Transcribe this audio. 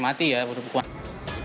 tapi kalau tidak ya sudah mati ya